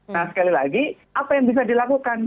nah sekali lagi apa yang bisa dilakukan